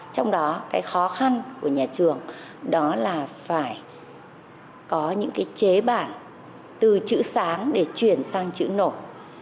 trong đó cái khó khăn của nhà trường đó là phải có những cái chế bản từ chữ sáng để chuyển sang chữ nổi